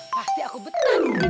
pasti aku betan ini